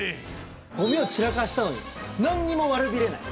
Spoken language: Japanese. ゴミを散らかしたのに何にも悪びれない。